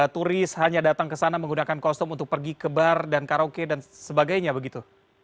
turis hanya datang ke sana menggunakan kostum untuk pergi ke bar dan karaoke dan sebagainya begitu